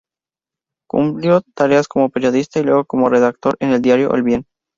Cumplió tareas como periodista y luego como redactor en el diario El Bien.